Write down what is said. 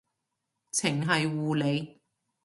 程繫護理